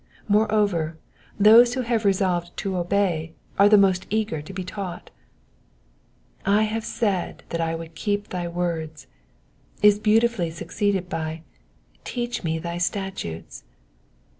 Moreover, those who have resolved to obey are the most eager to be taught. I have said that I would keep thy words" is beautifully succeeded by "teach me thy statutes."